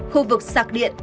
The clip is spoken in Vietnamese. khu vực sạc điện